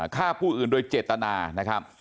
ฆ่าผู้อื่นโดยเจตนานะครับ